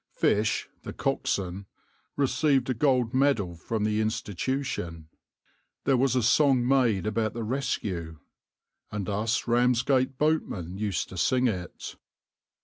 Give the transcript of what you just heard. Fish, the coxswain, received a gold medal from the Institution. There was a song made about the rescue, and us Ramsgate boatmen used to sing it.